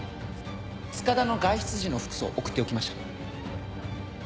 塚田の外出時の服装送っておきました。